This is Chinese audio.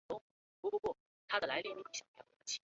加尔希济人口变化图示